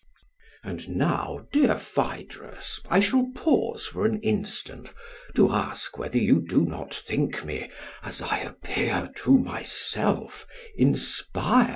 And now, dear Phaedrus, I shall pause for an instant to ask whether you do not think me, as I appear to myself, inspired?